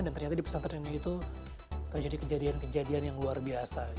dan ternyata di pesantrennya itu terjadi kejadian kejadian yang luar biasa